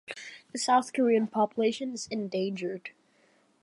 The South Korean population is endangered.